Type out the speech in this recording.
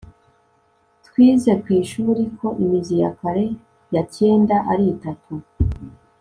twize kwishuri ko imizi ya kare ya cyenda ari itatu